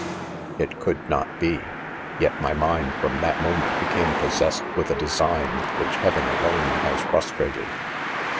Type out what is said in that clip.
It could not 'be — yet my mind from that moment became possessed with a design, which hea wen alone has frustrated.